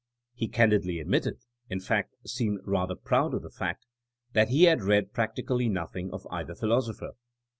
'' He can didly admitted — ^in fact seemed rather proud of the fact — ^that he had read practically noth ing of either philosopher.